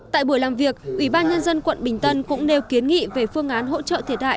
tại buổi làm việc ủy ban nhân dân quận bình tân cũng nêu kiến nghị về phương án hỗ trợ thiệt hại